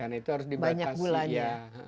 karena itu harus dibatasi ya